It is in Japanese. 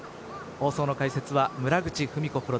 放送の解説は村口史子